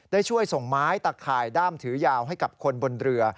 ได้ช่วยส่งไม้ตะข่ายด้ามถือยาวให้กับคนบนเรือ